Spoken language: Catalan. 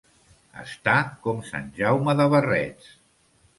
Estar... com sant Jaume de barrets.